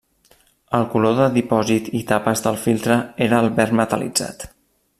El color de dipòsit i tapes del filtre era el verd metal·litzat.